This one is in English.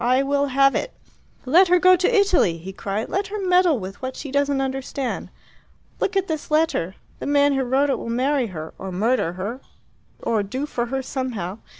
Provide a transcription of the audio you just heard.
I will have it." "Let her go to Italy!" he cried. "Let her meddle with what she doesn't understand! Look at this letter! The man who wrote it will marry her, or murder her, or do for her somehow.